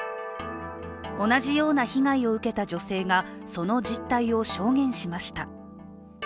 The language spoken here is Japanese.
同じような被害を受けた女性がその実態を証言しました。